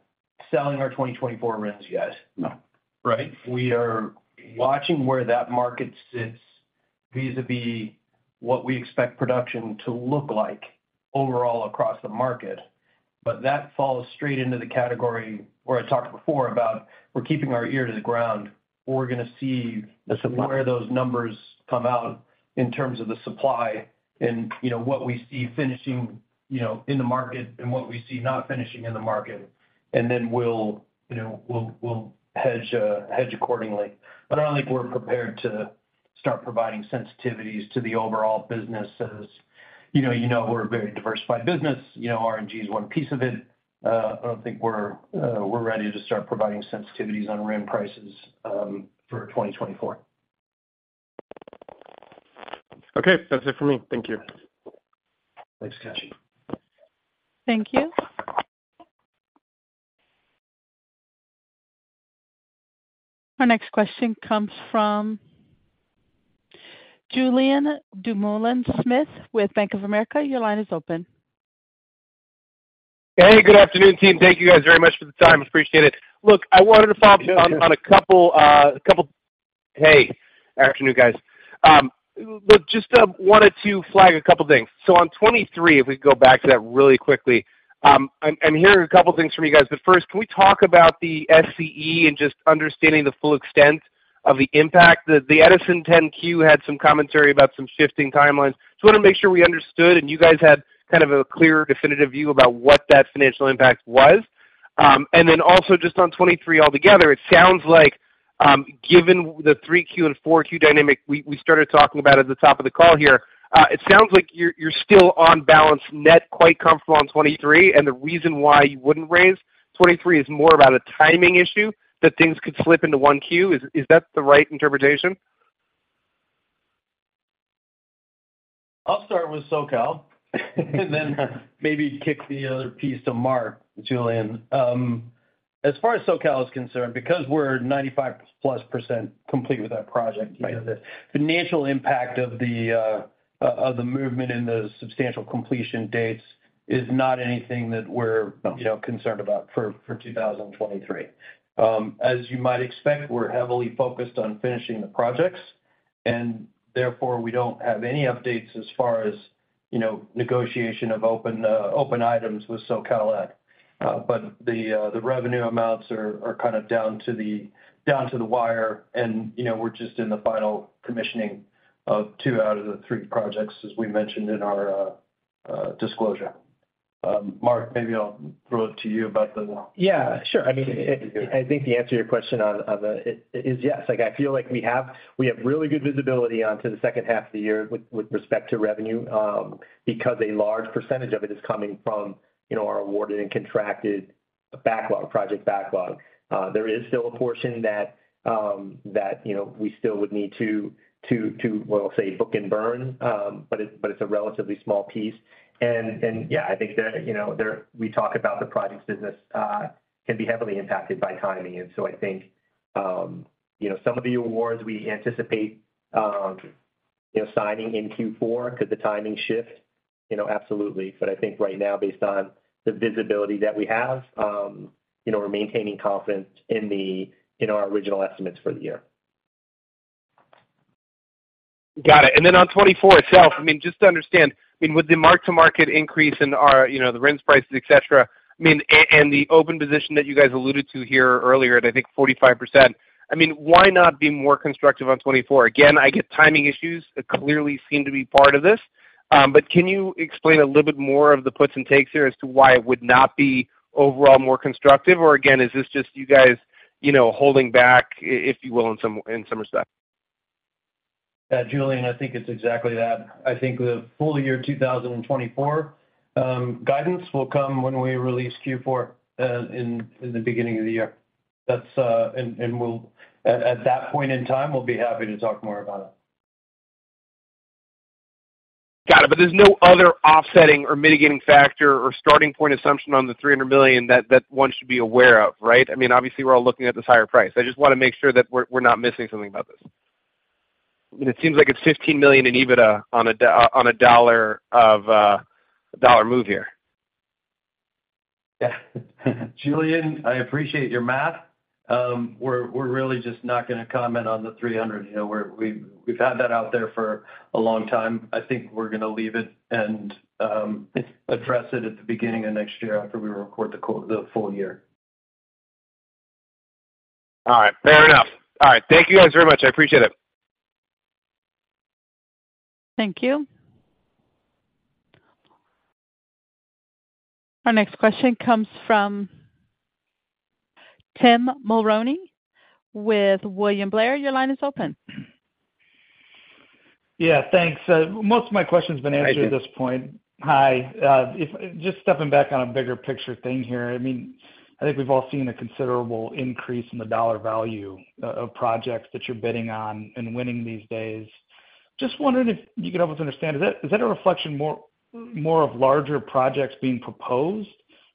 selling our 2024 RINs yet. No. Right? We are watching where that market sits vis-à-vis what we expect production to look like overall across the market. That falls straight into the category where I talked before about we're keeping our ear to the ground. We're gonna see where those numbers come out in terms of the supply and, you know, what we see finishing, you know, in the market and what we see not finishing in the market. Then we'll, you know, we'll, we'll hedge accordingly. I don't think we're prepared to start providing sensitivities to the overall business. As you know, you know, we're a very diversified business. You know, RNG is one piece of it. I don't think we're ready to start providing sensitivities on RIN prices for 2024. Okay. That's it for me. Thank you. Thanks, Kashy. Thank you. Our next question comes from Julien Dumoulin-Smith with Bank of America. Your line is open. Hey, good afternoon, team. Thank you guys very much for the time. Appreciate it. Hey, afternoon, guys. Look, just wanted to flag a couple things. On 23, if we could go back to that really quickly. I'm hearing a couple things from you guys, but first, can we talk about the SCE and just understanding the full extent? of the impact. The Edison 10-Q had some commentary about some shifting timelines. Just want to make sure we understood, and you guys had kind of a clear, definitive view about what that financial impact was. Also just on 2023 altogether, it sounds like, given the 3Q and 4Q dynamic we, we started talking about at the top of the call here, it sounds like you're still on balance net, quite comfortable on 2023, and the reason why you wouldn't raise 2023 is more about a timing issue, that things could slip into 1Q. Is, is that the right interpretation? I'll start with SoCal and then maybe kick the other piece to Mark, Julian. As far as SoCal is concerned, because we're 95+% complete with that project, the financial impact of the movement in the substantial completion dates is not anything that we're, you know, concerned about for 2023. As you might expect, we're heavily focused on finishing the projects, therefore we don't have any updates as far as, you know, negotiation of open items with SoCal Ed. The revenue amounts are kind of down to the down to the wire and, you know, we're just in the final commissioning of 2 out of the 3 projects, as we mentioned in our disclosure. Mark, maybe I'll throw it to you. Yeah, sure. I mean, I think the answer to your question on, on the, is yes. Like, I feel like we have, we have really good visibility onto the second half of the year with, with respect to revenue, because a large percentage of it is coming from, you know, our awarded and contracted backlog, project backlog. There is still a portion that, that, you know, we still would need to, well, say, book-and-burn, but it, but it's a relatively small piece. Yeah, I think that, you know, there, we talk about the projects business, can be heavily impacted by timing. I think, you know, some of the awards we anticipate, you know, signing in Q4 because the timing shift, you know, absolutely. I think right now, based on the visibility that we have, you know, we're maintaining confidence in our original estimates for the year. Got it. Then on 2024 itself, I mean, just to understand, I mean, with the mark-to-market increase in our, you know, the RINs, prices, et cetera, I mean, and the open position that you guys alluded to here earlier, at I think 45%, I mean, why not be more constructive on 2024? Again, I get timing issues, clearly seem to be part of this, but can you explain a little bit more of the puts and takes here as to why it would not be overall more constructive? Or again, is this just you guys, you know, holding back, if you will, in some, in some respect? Yeah, Julien, I think it's exactly that. I think the full year 2024 guidance will come when we release Q4 in the beginning of the year. That's. At that point in time, we'll be happy to talk more about it. Got it. There's no other offsetting or mitigating factor or starting point assumption on the $300 million that, that one should be aware of, right? I mean, obviously, we're all looking at this higher price. I just want to make sure that we're, we're not missing something about this. It seems like it's $15 million in EBITDA on a $1 of, a $1 move here. Yeah. Julien, I appreciate your math. We're, we're really just not going to comment on the 300. You know, we're, we've, we've had that out there for a long time. I think we're going to leave it and address it at the beginning of next year after we record the full year. All right. Fair enough. All right. Thank you guys very much. I appreciate it. Thank you. Our next question comes from Tim Mulrooney with William Blair. Your line is open. Yeah, thanks. Most of my question has been answered at this point. Hi, just stepping back on a bigger picture thing here, I mean, I think we've all seen a considerable increase in the dollar value of projects that you're bidding on and winning these days. Just wondering if you could help us understand, is that, is that a reflection more, more of larger projects being proposed,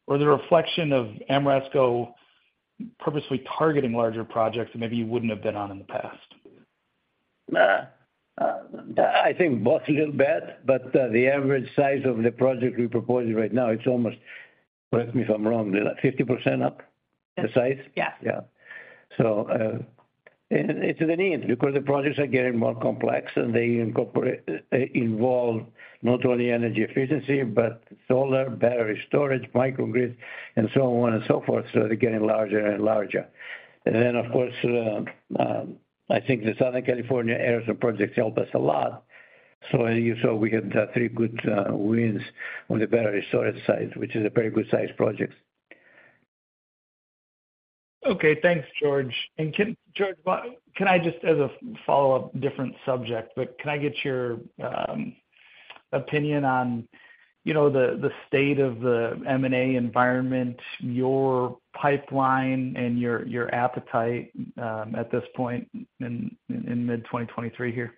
or the reflection of Ameresco purposely targeting larger projects that maybe you wouldn't have been on in the past? I think both a little bit, but the average size of the project we're proposing right now, it's almost, correct me if I'm wrong, 50% up the size? Yeah. Yeah. It's the need, because the projects are getting more complex, and they involve not only energy efficiency, but solar, battery storage, microgrids, and so on and so forth. They're getting larger and larger. Then, of course, I think the Southern California Edison projects help us a lot. I think so we have three good wins on the battery storage side, which is a very good size project. Okay, thanks, George. George, can I just as a follow-up, different subject, but can I get your opinion on, you know, the, the state of the M&A environment, your pipeline and your, your appetite at this point in mid-2023 here?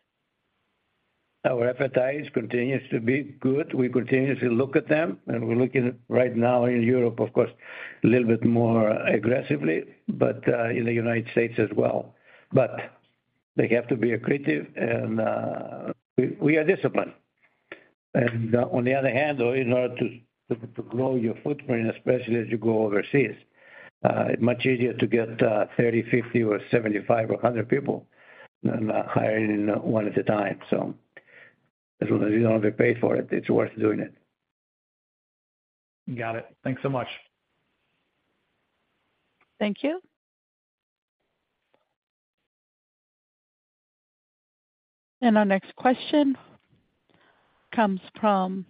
Our appetite continues to be good. We continue to look at them, and we're looking right now in Europe, of course, a little bit more aggressively, but, in the United States as well. They have to be accretive, and, we, we are disciplined. On the other hand, though, in order to, to, to grow your footprint, especially as you go overseas, it's much easier to get, 30, 50, or 75 or 100 people than hiring one at a time. As long as you don't get paid for it, it's worth doing it. Got it. Thanks so much. Thank you. Our next question comes from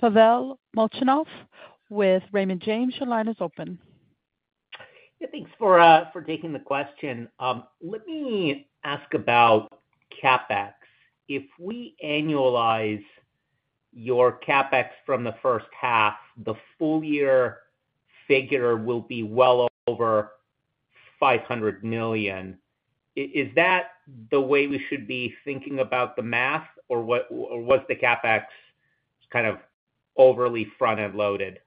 Pavel Molchanov with Raymond James. Your line is open. Yeah, thanks for for taking the question. Let me ask about CapEx. If we annualize your CapEx from the first half, the full year figure will be well over $500 million. Is that the way we should be thinking about the math, or what, or was the CapEx kind of overly front-end loaded?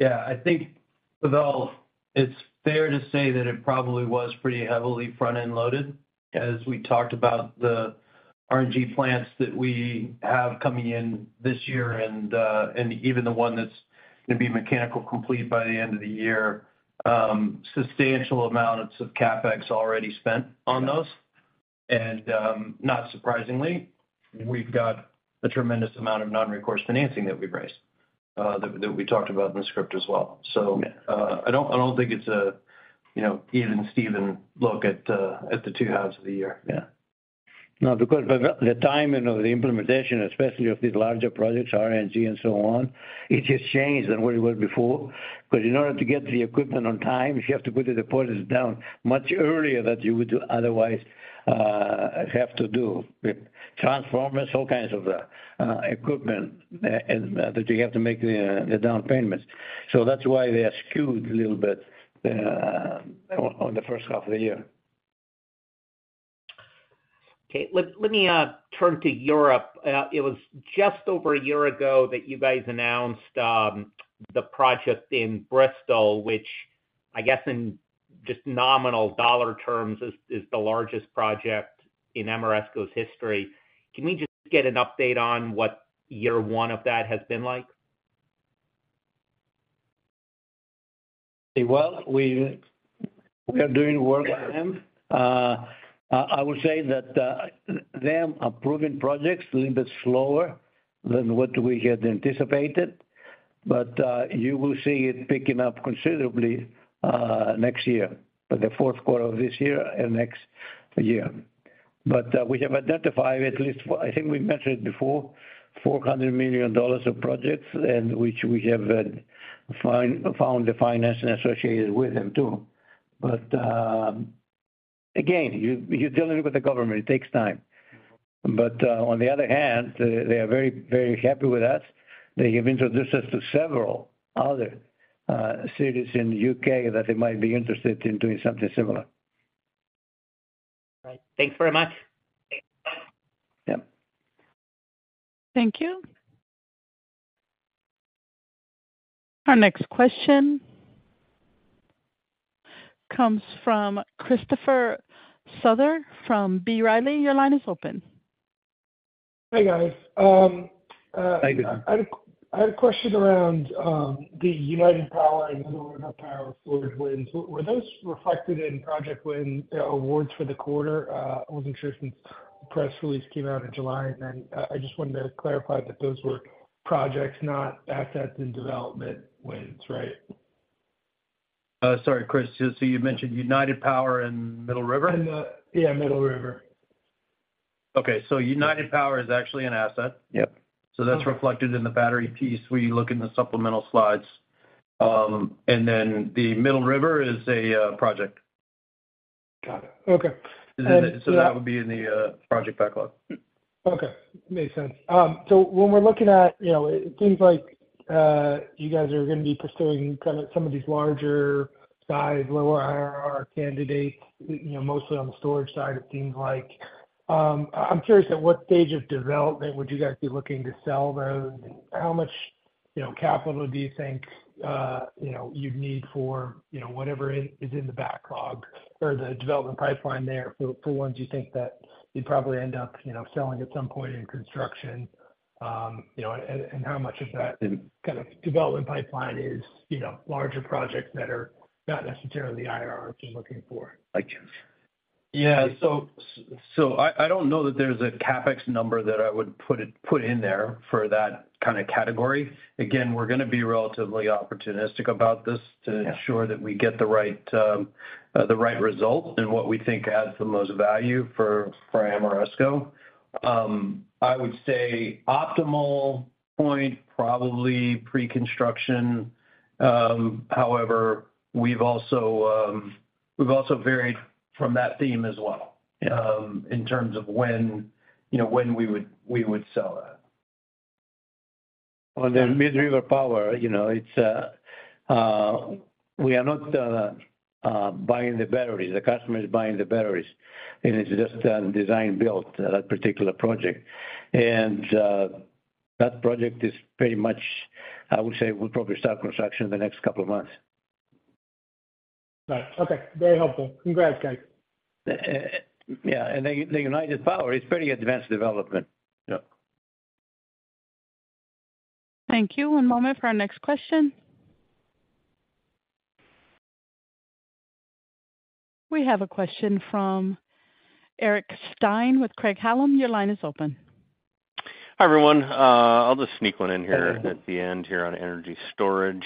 Yeah, I think, Pavel, it's fair to say that it probably was pretty heavily front-end loaded. As we talked about the RNG plants that we have coming in this year and even the one that's gonna be mechanical complete by the end of the year, substantial amounts of CapEx already spent on those. Not surprisingly, we've got a tremendous amount of non-recourse financing that we've raised, that, that we talked about in the script as well. I don't, I don't think it's a, you know, even Steven look at the two halves of the year. Yeah. Now, because by the, the timing of the implementation, especially of these larger projects, RNG and so on, it just changed than what it was before. 'Cause in order to get the equipment on time, you have to put the deposits down much earlier that you would do otherwise, have to do. With transformers, all kinds of equipment, and that you have to make the, the down payments. That's why they are skewed a little bit on the first half of the year. Okay. Let, let me turn to Europe. It was just over a year ago that you guys announced the project in Bristol, which I guess in just nominal dollar terms, is, is the largest project in Ameresco's history. Can we just get an update on what year 1 of that has been like? Well, we, we are doing work with them. I, I would say that them approving projects a little bit slower than what we had anticipated, but you will see it picking up considerably next year, for the fourth quarter of this year and next year. We have identified at least, I think we mentioned it before, $400 million of projects, and which we have found the financing associated with them, too. Again, you, you're dealing with the government, it takes time. On the other hand, they, they are very, very happy with us. They have introduced us to several other cities in the U.K. that they might be interested in doing something similar Right. Thanks very much. Yep. Thank you. Our next question comes from Christopher Souther from B. Riley. Your line is open. Hey, guys. Hi. I had a question around the United Power and Middle River Power storage wins. Were those reflected in Project Win awards for the quarter? I wasn't sure since the press release came out in July, and then I just wanted to clarify that those were projects, not assets in development wins, right? Sorry, Chris. Just so you mentioned United Power and Middle River? Yeah, Middle River. Okay. United Power is actually an asset. Yep. That's reflected in the battery piece when you look in the supplemental slides. The Middle River is a project. Got it. Okay. That would be in the project backlog. Okay. Makes sense. When we're looking at, you know, it seems like, you guys are gonna be pursuing kind of some of these larger size, lower IRR candidates, you know, mostly on the storage side, it seems like. I'm curious at what stage of development would you guys be looking to sell those? How much, you know, capital do you think, you know, you'd need for, you know, whatever is, is in the backlog or the development pipeline there for, for ones you think that you'd probably end up, you know, selling at some point in construction? You know, how much of that kind of development pipeline is, you know, larger projects that are not necessarily the IRRs you're looking for, I guess? Yeah. I don't know that there's a CapEx number that I would put in there for that kind of category. Again, we're gonna be relatively opportunistic about this. Yeah to ensure that we get the right, the right result and what we think adds the most value for, for Ameresco. I would say optimal point, probably pre-construction. We've also, we've also varied from that theme as well, in terms of when, you know, when we would, we would sell that. On the Middle River Power, you know, it's, we are not, buying the batteries. The customer is buying the batteries, and it's just a design build, that particular project. That project is pretty much, I would say, we'll probably start construction in the next couple of months. Right. Okay. Very helpful. Congrats, guys. Yeah, and the, the United Power is pretty advanced development. Yep. Thank you. One moment for our next question. We have a question from Eric Stine with Craig-Hallum. Your line is open. Hi, everyone. I'll just sneak one in here at the end here on energy storage.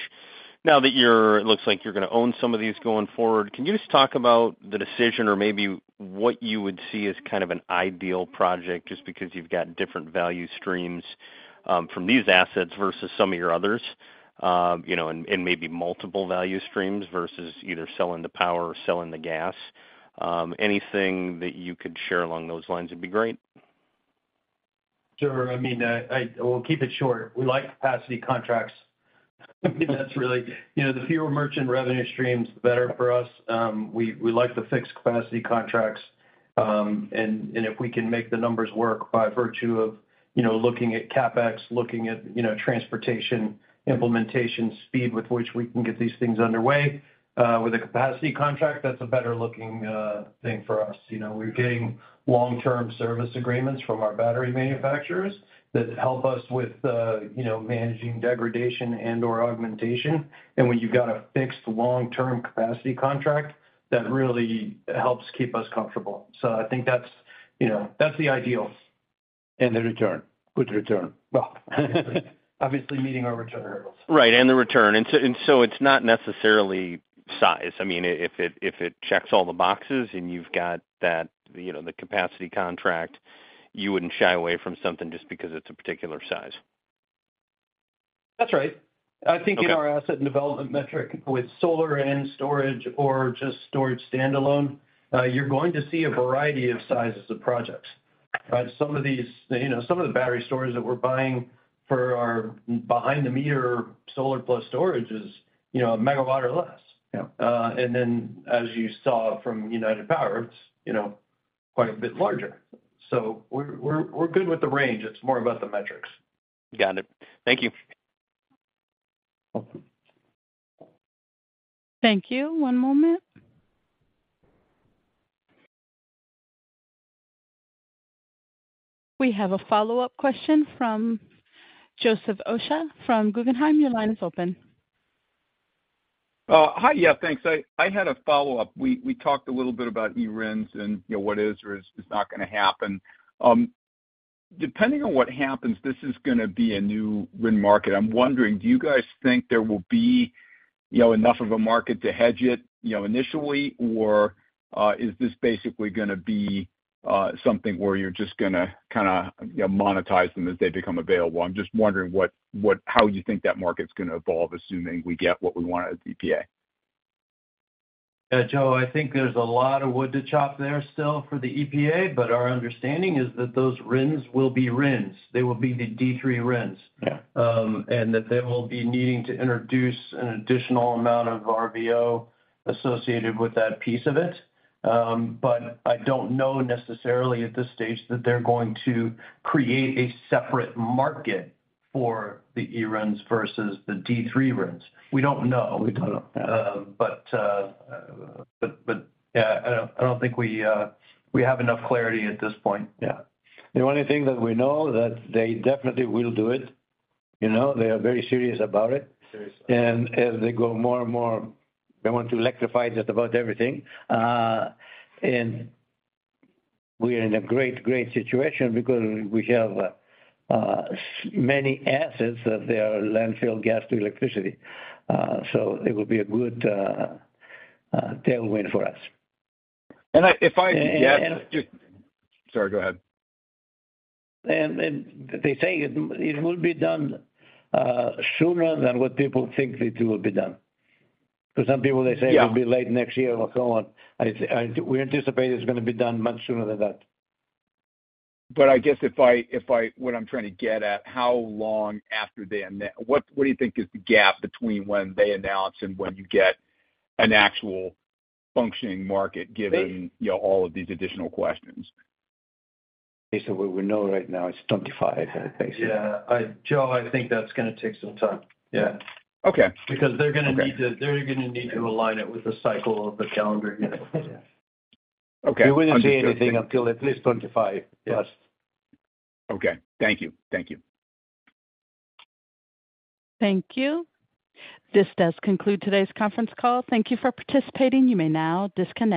Now that you're it looks like you're gonna own some of these going forward, can you just talk about the decision or maybe what you would see as kind of an ideal project, just because you've got different value streams from these assets versus some of your others? You know, and, and maybe multiple value streams versus either selling the power or selling the gas. Anything that you could share along those lines would be great. Sure. I mean, we'll keep it short. We like capacity contracts. That's really, you know, the fewer merchant revenue stream is better for us. We, we like the fixed capacity contracts. If we can make the numbers work by virtue of, you know, looking at CapEx, looking at, you know, transportation, implementation speed with which we can get these things underway, with a capacity contract, that's a better looking thing for us. You know, we're getting long-term service agreements from our battery manufacturers that help us with, you know, managing degradation and/or augmentation. When you've got a fixed long-term capacity contract, that really helps keep us comfortable. I think that's, you know, that's the ideal. The return. Good return. Well, obviously meeting our return hurdles. Right, the return. So, it's not necessarily size. I mean, if it, if it checks all the boxes and you've got that, you know, the capacity contract, you wouldn't shy away from something just because it's a particular size? That's right. Okay. I think in our asset and development metric with solar and storage or just storage standalone, you're going to see a variety of sizes of projects, right? Some of these, you know, some of the battery storage that we're buying for our behind the meter solar plus storage is, you know, a megawatt or less. Yeah. Then, as you saw from United Power, it's, you know, quite a bit larger. We're, we're, we're good with the range. It's more about the metrics. Got it. Thank you. Welcome. Thank you. One moment. We have a follow-up question from Joseph Osha from Guggenheim. Your line is open. Hi. Yeah, thanks. I, I had a follow-up. We, we talked a little bit about eRINs and, you know, what is or is, is not gonna happen. Depending on what happens, this is gonna be a new RIN market. I'm wondering, do you guys think there will be, you know, enough of a market to hedge it, you know, initially? Or, is this basically gonna be something where you're just gonna kind of, you know, monetize them as they become available? I'm just wondering what, how you think that market's gonna evolve, assuming we get what we want at EPA. Yeah, Joe, I think there's a lot of wood to chop there still for the EPA, but our understanding is that those RINs will be RINs. They will be the D3 RINs. Yeah. That they will be needing to introduce an additional amount of RVO associated with that piece of it. I don't know necessarily at this stage that they're going to create a separate market for the eRINs versus the D3 RINs. We don't know. We don't know. Yeah, I don't think we have enough clarity at this point. Yeah. The only thing that we know that they definitely will do it, you know, they are very serious about it. Serious. As they go more and more, they want to electrify just about everything. We are in a great, great situation because we have many assets that they are landfill gas to electricity. It will be a good tailwind for us. I. And, and- Sorry, go ahead. They say it, it will be done, sooner than what people think it will be done. Because some people they say... Yeah... it will be late next year or so on. I, we anticipate it's gonna be done much sooner than that. I guess if I, what I'm trying to get at, how long after they annou-- what, what do you think is the gap between when they announce and when you get an actual functioning market, given, you know, all of these additional questions? Based on what we know right now, it's 25, I think. Yeah. Joe, I think that's gonna take some time. Yeah. Okay. Because they're gonna need to- Okay... they're gonna need to align it with the cycle of the calendar year. Okay. We wouldn't see anything until at least 2025, plus. Okay. Thank you. Thank you. Thank you. This does conclude today's conference call. Thank you for participating. You may now disconnect.